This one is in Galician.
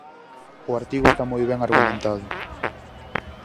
O artigo está moi ben argumentado.